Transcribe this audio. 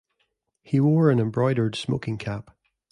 He wore an embroidered smoking cap